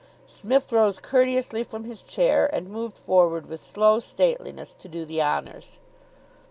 Psmith rose courteously from his chair, and moved forward with slow stateliness to do the honours.